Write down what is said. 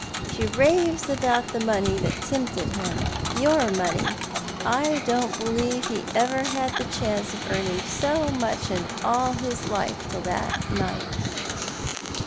She raves about the money that tempted him — your money. I don't believe he had ever had the chance of earning so much in all his life till that night."